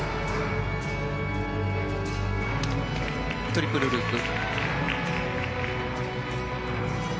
トリプルループ。